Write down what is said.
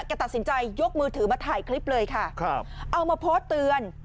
ตัดสินใจยกมือถือมาถ่ายคลิปเลยค่ะครับเอามาโพสต์เตือน